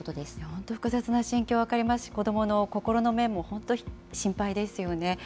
本当、複雑な心境は分かりますし、子どもの心の面も本当、心配ですよね。